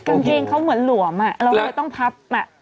กางเกงเขาเหมือนหลวมเราเลยต้องพับ